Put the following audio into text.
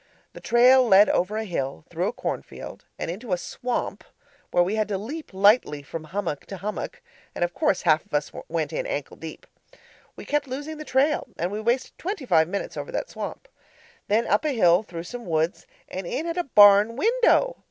The trail led over a hill, through a cornfield, and into a swamp where we had to leap lightly from hummock to hummock. of course half of us went in ankle deep. We kept losing the trail, and we wasted twenty five minutes over that swamp. Then up a hill through some woods and in at a barn window!